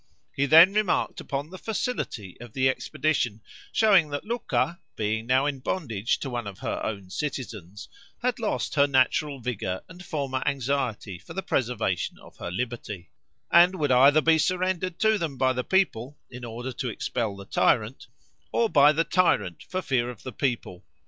He then remarked upon the facility of the expedition, showing that Lucca, being now in bondage to one of her own citizens, had lost her natural vigor and former anxiety for the preservation of her liberty, and would either be surrendered to them by the people in order to expel the tyrant, or by the tyrant for fear of the people.